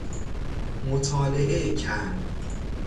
مطالعه کرد